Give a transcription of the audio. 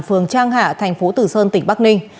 phường trang hạ tp tử sơn tỉnh bắc ninh